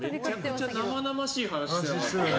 めちゃくちゃ生々しい話してたね。